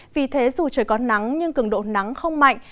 vì thế dù trời có nắng nhưng cường độ nắng không mạnh